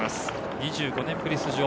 ２５年ぶりの出場。